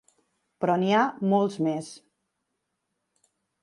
Però n’hi ha molts més.